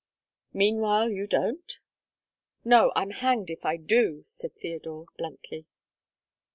"Meanwhile you don't?" "No, I'm hanged if I do," said Theodore, bluntly.